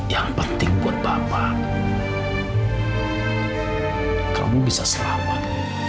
yang penting buat bapak kamu bisa selamat